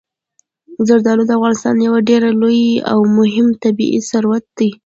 زردالو د افغانستان یو ډېر لوی او مهم طبعي ثروت دی.